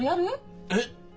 えっ！？